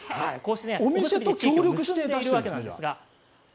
お店と協力して出しているんですか。